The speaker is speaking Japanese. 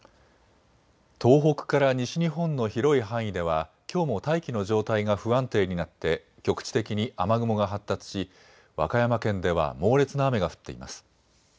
東北から西日本の広い範囲ではきょうも大気の状態が不安定になって局地的に雨雲が発達し和歌山県では猛烈な雨が降っています。